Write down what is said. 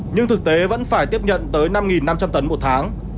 nhưng thực tế vẫn phải tiếp nhận tới năm năm trăm linh tấn một tháng